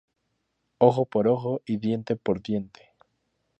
Ojo por ojo y diente por diente